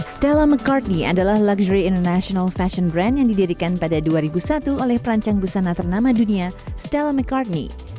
stella mccartney adalah luxury international fashion brand yang didirikan pada dua ribu satu oleh perancang busana ternama dunia stella mccartney